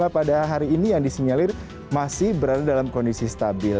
pada hari ini yang disinyalir masih berada dalam kondisi stabil